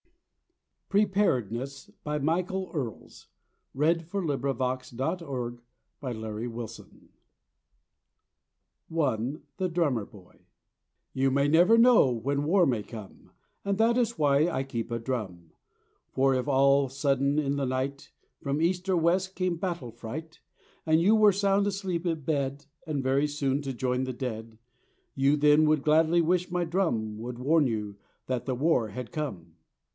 ere the best of true philosophers Are the children, after all. PREPAREDNESS I. THE DRUMMER BOY You never know when war may come, And that is why I keep a drum: For if all sudden in the night From east or west came battle fright, And you were sound asleep in bed, And very soon to join the dead, You then would gladly wish my drum Would warn you that the war had come.